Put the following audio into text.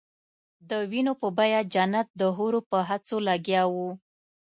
د وینو په بیه جنت د حورو په هڅو لګیا وو.